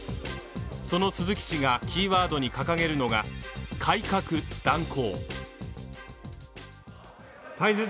その鈴木氏がキーワードに掲げるのが「改革、断行」。